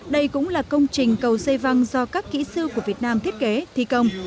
đây cũng là công trình cầu xây văng do các kỹ sư của việt nam thiết kế thi công